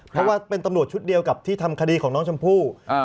เพราะว่าเป็นตำรวจชุดเดียวกับที่ทำคดีของน้องชมพู่